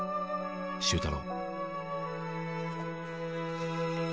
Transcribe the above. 「周太郎」